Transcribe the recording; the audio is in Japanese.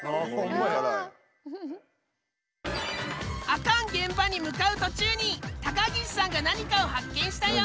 アカン現場に向かう途中に高岸さんが何かを発見したよ！